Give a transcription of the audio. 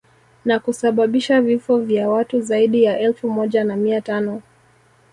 Na kusababisha vifo vya watu zaidi ya elfu moja na mia tano